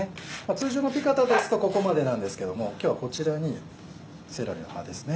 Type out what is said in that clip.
通常のピカタですとここまでなんですけども今日はこちらにセロリの葉ですね。